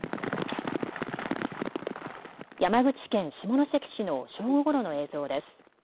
山口県下関市の正午ごろの映像です。